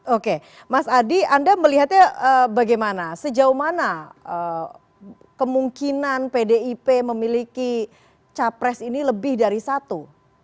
oke mas adi anda melihatnya bagaimana sejauh mana kemungkinan pdip memiliki capres ini lebih dari satu